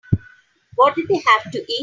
What did they have to eat?